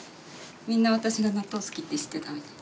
みんな私が納豆好きって知ってたみたい。